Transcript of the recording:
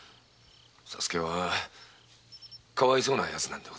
左助はかわいそうなヤツなんです。